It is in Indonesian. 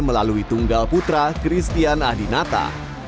melalui tunggal putra christian adinata